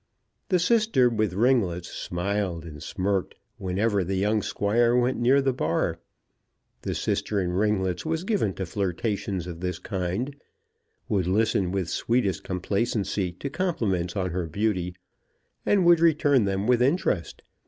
The sister with ringlets smiled and smirked whenever the young Squire went near the bar. The sister in ringlets was given to flirtations of this kind, would listen with sweetest complacency to compliments on her beauty, and would return them with interest.